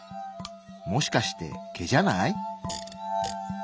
もしかして毛じゃない？